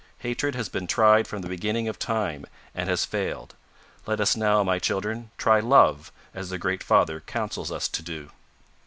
Hatred has been tried from the beginning of time, and has failed. Let us now, my children, try Love, as the Great Father counsels us to do."